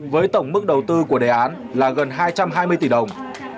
với tổng mức đầu tư của đề án là gần hai trăm hai mươi tỷ đồng